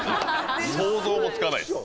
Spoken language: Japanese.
想像もつかないです。